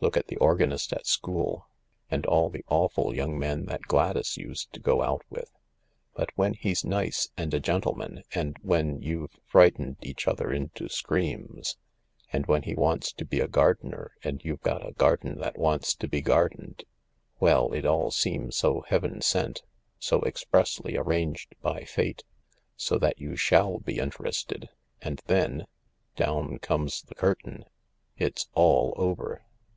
Look at the organist at school — and all the awful young men that Gladys used to go out with. But when he's nice, and a gentleman, and when you've frightened each other into screams, and when he wants to be a gardener and you've got a garden that wants to be gardened — well, it all seems so heaven sent — so expressly arranged by Fate, so that you shall be interested — and then — down comes the curtain— it's all over."